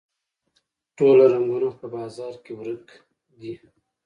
ټوله رنګونه په بازار کې ورک دي